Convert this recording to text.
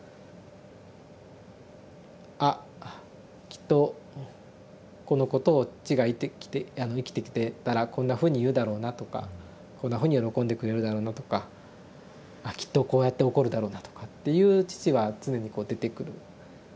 「あきっとこのことを父が生きてきてたらこんなふうに言うだろうな」とか「こんなふうに喜んでくれるだろうな」とか「あきっとこうやって怒るだろうな」とかっていう父は常にこう出てくる。